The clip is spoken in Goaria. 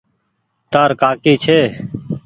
تآر ڪآڪي ڇي۔